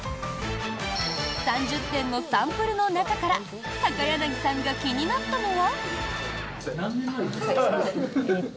３０点のサンプルの中から高柳さんが気になったのは。